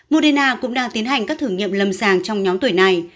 moderna cũng đang tiến hành các thử nghiệm lâm sàng trong nhóm tuổi này